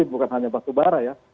bukan hanya batu bara ya